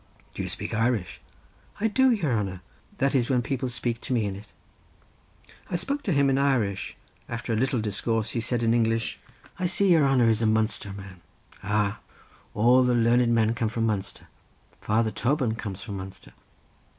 "Do you speak Irish?" "I do, your hanner; that is when people spake to me in it." I spoke to him in Irish; after a little discourse he said in English: "I see your hanner is a Munster man. Ah! all the learned men comes from Munster. Father Toban comes from Munster."